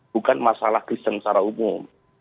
bukan masalah kristen secara umum